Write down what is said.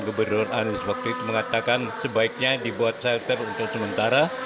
gubernur anies bakrit mengatakan sebaiknya dibuat shelter untuk sementara